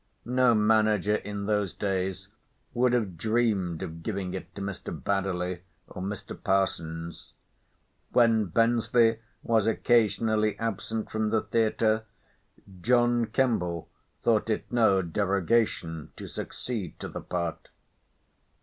No manager in those days would have dreamed of giving it to Mr. Baddeley, or Mr. Parsons: when Bensley was occasionally absent from the theatre, John Kemble thought it no derogation to succeed to the part.